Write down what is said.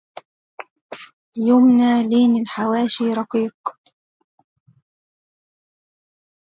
يومنا لين الحواشي رقيق